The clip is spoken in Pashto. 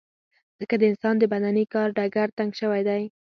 ځکه د انسان د بدني کار ډګر تنګ شوی دی.